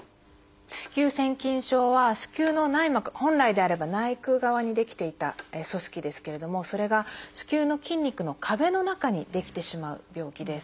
子宮腺筋症は子宮の内膜本来であれば内腔側に出来ていた組織ですけれどもそれが子宮の筋肉の壁の中に出来てしまう病気です。